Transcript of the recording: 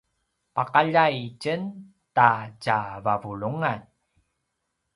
paqaljai itjen ta tjavavulungan